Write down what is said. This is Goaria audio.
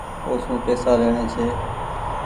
اوسون پئيسا ليڻي ڇي۔